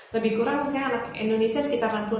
lebih kurang misalnya anak indonesia sekitar enam puluh